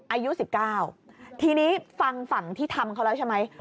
อายุ๑๙ทีนี้ฟังฝั่งที่ทำเขาแล้วใช่ไหม